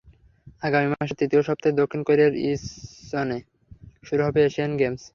আগামী মাসের তৃতীয় সপ্তাহে দক্ষিণ কোরিয়ার ইনচনে শুরু হবে এশিয়ান গেমস।